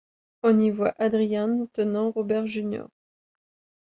On y voit Adrian tenant Robert Jr.